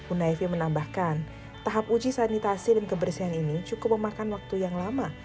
una evi menambahkan tahap uji sanitasi dan kebersihan ini cukup memakan waktu yang lama